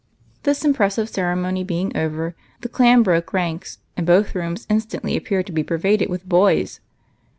This impressive ceremony being over, the clan broke ranks, and both rooms instantly appeared to be per yaded with boys.